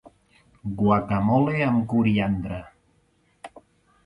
Guacamole amb coriandre.